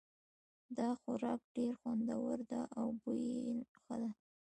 دا خوراک ډېر خوندور ده او بوی یې ښه ده